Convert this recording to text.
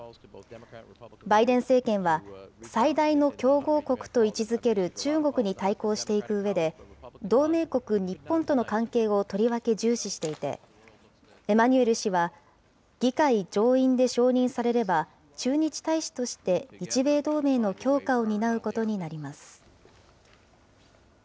バイデン政権は、最大の競合国と位置づける中国に対抗していくうえで、同盟国日本との関係をとりわけ重視していて、エマニュエル氏は議会上院で承認されれば、駐日大使として日米同盟の強化を担うことになります。